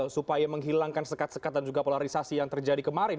supaya menghilangkan sekat sekat dan juga polarisasi yang terjadi kemarin